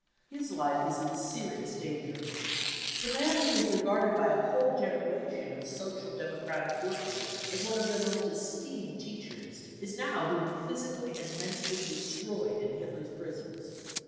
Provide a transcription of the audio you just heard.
His life is in serious danger* Ft € 162 brown book of the hitler terror The man who was regarded by a whole generation of social democratic workers as one of their most esteemed teachers ' is now being physically and mentally destroyed in Hitler's prisons.